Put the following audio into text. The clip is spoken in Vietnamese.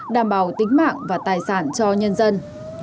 đảm bảo tính mạng và tài sản cho nhân dân